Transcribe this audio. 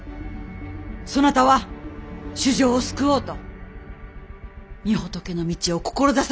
そなたは衆生を救おうと御仏の道を志されたはず！